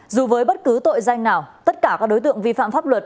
dù với bất cứ tội danh nào tất cả các đối tượng vi phạm pháp luật